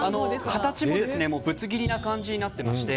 形もぶつ切りな感じになってまして